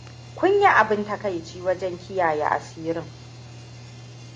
Kun yi abun takaici wajen kiyaye asirin.